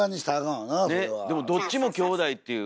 どっちも兄弟っていう。